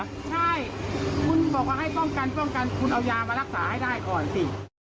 ใช่คุณบอกว่าให้ป้องกันป้องกันคุณเอายามารักษาให้ได้ก่อนสิ